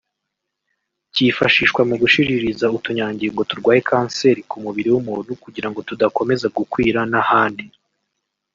cyifashishwa mu gushiririza utunyangingo turwaye kanseri ku mubiri w’umuntu kugirango tudakomeza gukwira n’ahandi